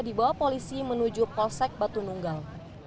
dibawa polisi menuju polsek batu nunggal